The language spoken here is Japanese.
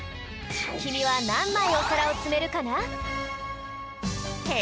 きみはなんまいおさらをつめるかな？へ